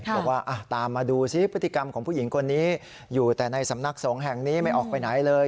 บอกว่าตามมาดูซิพฤติกรรมของผู้หญิงคนนี้อยู่แต่ในสำนักสงฆ์แห่งนี้ไม่ออกไปไหนเลย